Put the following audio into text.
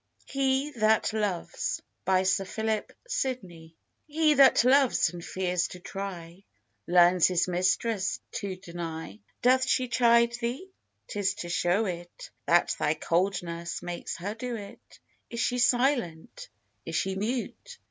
Sir Philip Sidney. HE THAT LOVES. He that loves and fears to try, Learns his mistress to deny. Doth she chide thee? 'tis to show it That thy coldness makes her do it. Is she silent, is she mute?